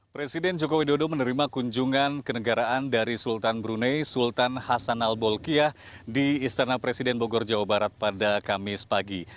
presiden joko widodo menerima kunjungan kenegaraan dari sultan brunei sultan hasan al bolkiah di istana presiden bogor jawa barat pada kamis pagi